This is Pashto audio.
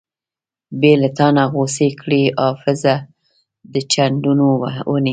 بې لتانۀ غوڅې کړې حافظه د چندڼو ونې